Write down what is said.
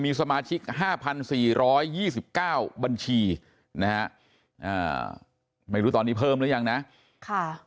มีสมาชิกห้าพันสี่ร้อยยี่สิบเก้าบัญชีนะฮะไม่รู้ตอนนี้เพิ่มหรือยังนะค่ะ